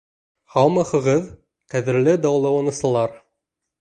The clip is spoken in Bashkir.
Һаумыһығыҙ, ҡәҙерле дауаланыусылар!